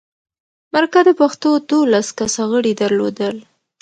مرکه د پښتو دولس کسه غړي درلودل.